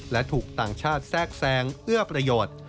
และถูกต่างชาติแทรกแซงเอื้อประโยชน์